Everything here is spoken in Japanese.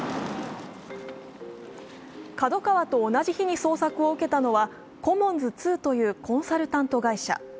ＫＡＤＯＫＡＷＡと同じ日に捜索を受けたのはコモンズ２というコンサルタント会社。